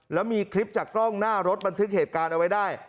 แล้วมีคลิปจากกล้องหน้ารถบันทึกเหตุการณ์เอาไว้ได้